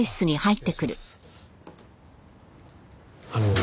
あの。